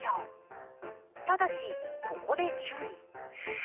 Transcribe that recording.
ただしここで注意！